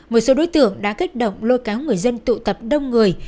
một số đối tượng đã kết động lôi cáo người dân tụ tập đông người